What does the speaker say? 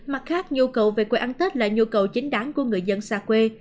mặt khác nhu cầu về quê ăn tết là nhu cầu chính đáng của người dân xa quê